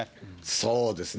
そうですね。